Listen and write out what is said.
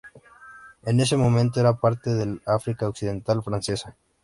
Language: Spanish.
En ese momento, era parte del África Occidental Francesa.